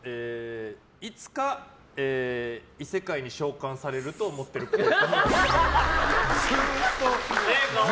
いつか異世界に召還されると思ってるっぽい。